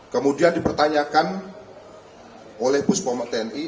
kemudian dipertanyakan oleh puspoma tni